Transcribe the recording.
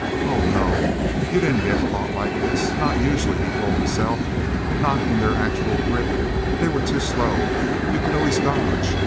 Oh, no! you didn't get caught like this not usually, he told himself. Not in their actual grip! They were too slow you could always dodge!